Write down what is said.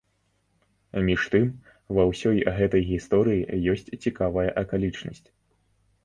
Між тым, ва ўсёй гэтай гісторыі ёсць цікавая акалічнасць.